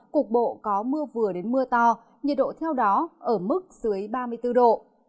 cục bộ có mưa vừa đến mưa to nhiệt độ theo đó ở mức dưới ba mươi bốn độ